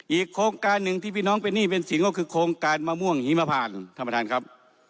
โครงการหนึ่งที่พี่น้องเป็นหนี้เป็นสินก็คือโครงการมะม่วงหิมพานท่านประธานครับ